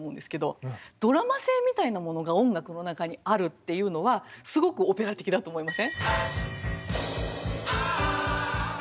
ドラマ性みたいなものが音楽の中にあるっていうのはすごくオペラ的だと思いません？